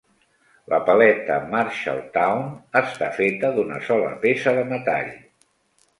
La paleta Marshalltown està feta d'una sola peça de metall.